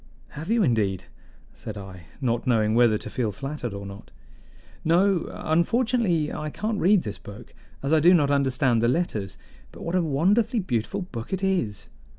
"Have you indeed?" said I, not knowing whether to feel flattered or not. "No, unfortunately, I can't read this book, as I do not understand the letters. But what a wonderfully beautiful book it is!